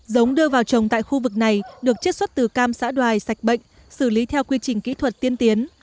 giống đưa vào trồng tại khu vực này được chất xuất từ cam xã đoài sạch bệnh xử lý theo quy trình kỹ thuật tiên tiến